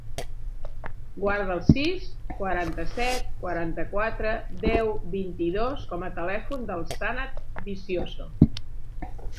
Guarda el sis, quaranta-set, quaranta-quatre, deu, vint-i-dos com a telèfon del Sanad Vicioso.